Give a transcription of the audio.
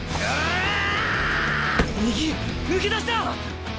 右抜け出した！